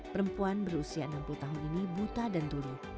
perempuan berusia enam puluh tahun ini buta dan tuli